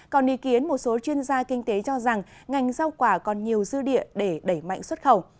còn ý kiến một số chuyên gia kinh tế cho rằng ngành rau quả còn nhiều dư địa để đẩy mạnh xuất khẩu